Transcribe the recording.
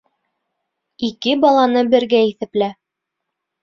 Ике баланы бергә иҫәплә